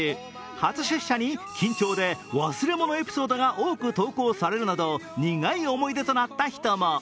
初出社に緊張で忘れ物エピソードが多く投稿されるなど苦い思い出となった人も。